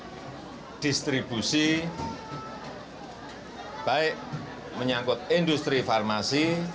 menyangkut industri farmasi menyangkut industri farmasi menyangkut industri farmasi menyangkut industri farmasi